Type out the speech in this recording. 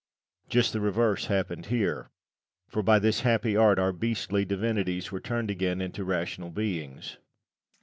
Just the reverse happened here, for by this happy art our beastly divinities were turned again into rational beings.